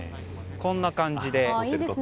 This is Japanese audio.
こんな感じで。